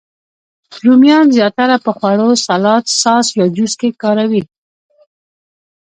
رومیان زیاتره په خوړو، سالاد، ساس، یا جوس کې کاروي